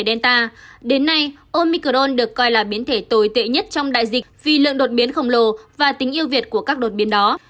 đến delta đến nay omicron được coi là biến thể tồi tệ nhất trong đại dịch vì lượng đột biến khổng lồ và tính yêu việt của các đột biến đó